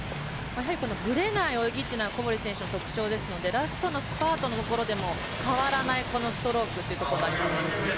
ぶれない泳ぎというのは小堀選手の特徴ですのでラストのスパートのところでも変わらないこのストロークというところもあります。